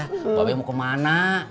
bapak bia mau ke mana